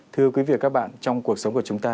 thưa quý vị và các bạn trong cuộc sống của chúng ta